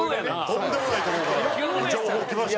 とんでもないところから情報きましたね。